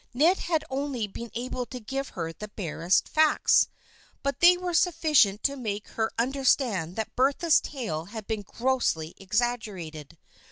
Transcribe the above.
Ned had only been able to give her the barest facts, but they were sufficient to make her understand that Bertha's tale had been grossly exaggerated.